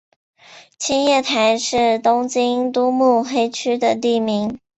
青叶台是东京都目黑区的地名。